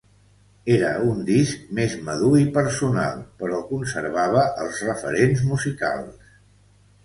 Era un disc més madur i personal però conservava els referents musicals.